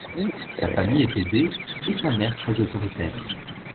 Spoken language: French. Sa famille est aisée, et sa mère très autoritaire.